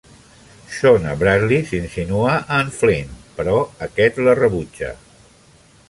Shauna Bradley s'insinua a en Flynn però aquest la rebutja.